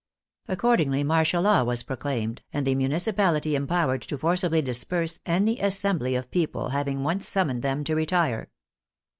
Accordingly martial law was proclaimed, and the municipality em powered to forcibly disperse any assembly of people hav ing once summoned them to retire.